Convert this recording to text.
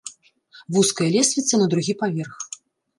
Вузкая лесвіца на другі паверх.